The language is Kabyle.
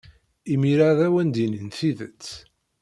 Imir-a ad awen-d-inin tidet.